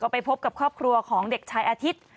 ไปพบกับครอบครัวของเด็กชายอาทิตย์